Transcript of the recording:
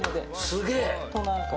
すげえ！